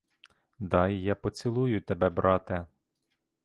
Дай я поцілую тебе, брате.